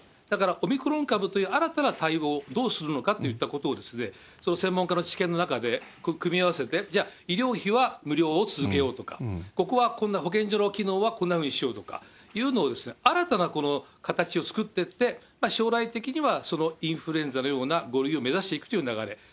だからオミクロン株という新たな対応をどうするのかといったことを、その専門家の知見の中で組み合わせて、じゃあ医療費は無料を続けようとか、ここはこんな保健所の機能はこんなふうにしようとかいうのを、新たな形を作ってって、将来的にはインフルエンザのような５類を目指していくという流れ。